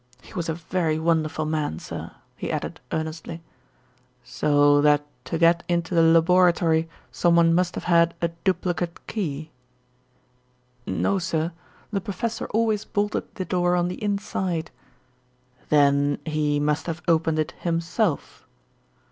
He was a very wonderful man, sir," he added earnestly. "So that to get into the laboratory someone must have had a duplicate key?" "No, sir, the professor always bolted the door on the inside." "Then he must have opened it himself?"